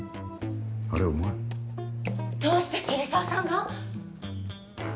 どうして桐沢さんが？